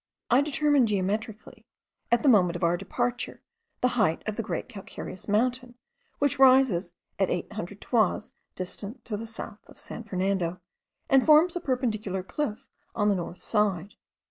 I determined geometrically, at the moment of our departure, the height of the great calcareous mountain which rises at 800 toises distance to the south of San Fernando, and forms a perpendicular cliff on the north side.